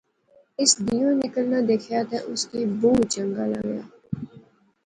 اُس دیہوں نکلنا دیخیا تے اُس کی بہوں چنگا لغیا